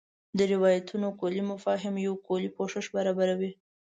د روایتونو کُلي مفاهیم یو کُلي پوښښ برابروي.